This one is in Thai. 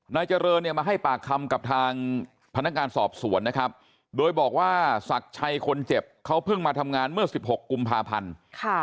นายเจริญเนี่ยมาให้ปากคำกับทางพนักงานสอบสวนนะครับโดยบอกว่าศักดิ์ชัยคนเจ็บเขาเพิ่งมาทำงานเมื่อ๑๖กุมภาพันธ์